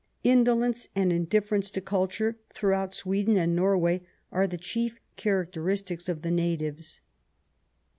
Indolence and indifference to culture throughout Sweden and Norway are the chief characteristics of the natives.